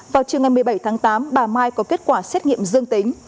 vào trường ngày một mươi bảy tháng tám bà mai có kết quả xét nghiệm dương tính